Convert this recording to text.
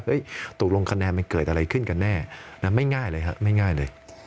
ตกลงคะแนนมันเกิดอะไรขึ้นกันแน่ไม่ง่ายเลยฮะไม่ง่ายเลย